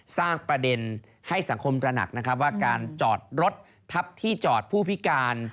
สร้างประเด็นให้สังคมตระหนักนะครับว่าการจอดรถทับที่จอดผู้พิการ